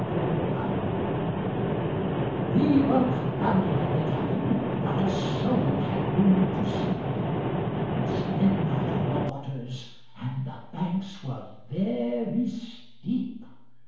Field] WE were crowded in the cabin, Not a soul had room to sleep; It was midnight on the waters, And the banks were very steep.